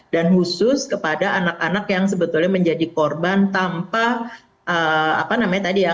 dan khusus kepada anak anak yang sebetulnya menjadi korban tanpa apa namanya tadi ya